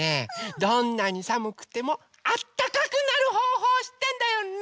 どんなにさむくてもあったかくなるほうほうをしってんだよ。ね！